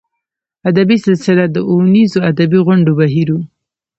ادبي سلسله د اوونیزو ادبي غونډو بهیر و.